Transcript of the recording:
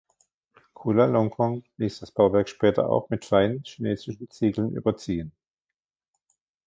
Chulalongkorn ließ das Bauwerk später auch mit feinen chinesischen Ziegeln überziehen.